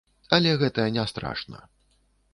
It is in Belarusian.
Але гэта не страшна.